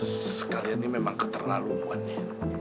sss kalian ini memang keterlaluannya